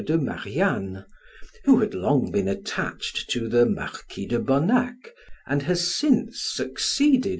de Marianne, who had long been attached to the Marquis de Bonac, and has since succeeded M.